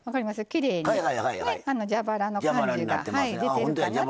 きれいに蛇腹の感じが出てるかなと思いますね。